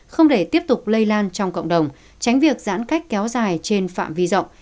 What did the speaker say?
không để tiếp tục lây lan trong cộng đồng tránh việc giãn cách kéo dài trên phạm vi rộng